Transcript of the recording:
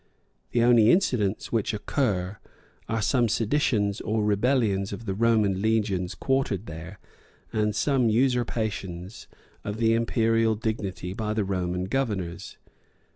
The only incidents which occur, are some seditions or rebellions of the Roman legions quartered there, and some usurpations of the imperial dignity by the Roman governors.